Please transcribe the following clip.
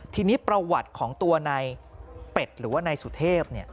ทีนี้ประวัติของตัวนายเป็ดหรือว่านายสุเทพ